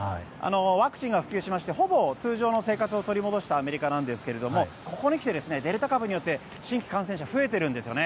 ワクチンが普及しましてほぼ通常の生活を取り戻したアメリカですがここにきてデルタ株によって新規感染者が増えているんですね。